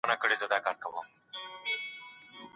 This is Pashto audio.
اقتصاد پوهانو ټینګار وکړ چي د نفوسو کچه باید کنټرول سي.